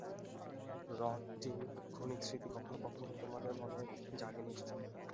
হ্রদটির ক্ষণিক স্মৃতি কখনও কখনও তোমাদের মনে জাগে নিশ্চয়।